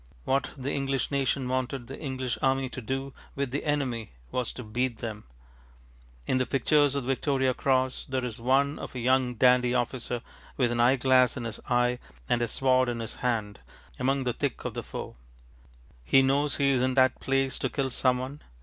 What the English nation wanted the English army to do with the enemy was to ŌĆ£beat ŌĆÖem.ŌĆØ In the pictures of the Victoria Cross there is one of a young dandy officer with an eyeglass in his eye and a sword in his hand, among the thick of the foe. He knows he is in that place to kill some one.